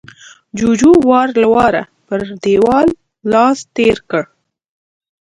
جُوجُو وار له واره پر دېوال لاس تېر کړ